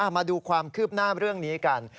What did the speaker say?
มาดูความคืบหน้าเรื่องนี้กัน